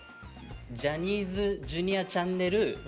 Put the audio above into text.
ジャニーズＪｒ．チャンネル＋。